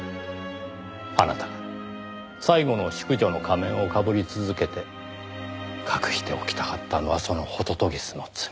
あなたが最後の淑女の仮面をかぶり続けて隠しておきたかったのはその杜鵑の罪。